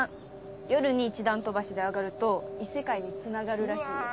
夜に１段飛ばしで上がると異世界につながるらしいよ。